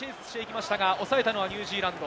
おさえたのはニュージーランド。